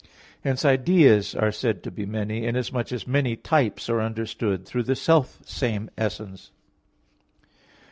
Hence ideas are said to be many, inasmuch as many types are understood through the self same essence.